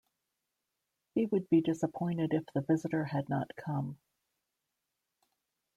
He would be disappointed if the visitor had not come.